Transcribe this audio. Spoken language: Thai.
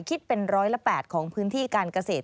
คิดเป็นร้อยละ๘ของพื้นที่การเกษตร